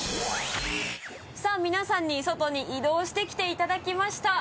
さぁ皆さんに外に移動してきていただきました。